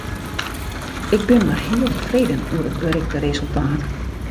Ik bin mar heal tefreden oer it berikte resultaat.